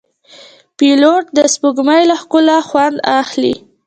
پیلوټ د سپوږمۍ له ښکلا خوند اخلي.